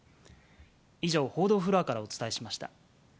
以上、報道フロアからお伝えしました。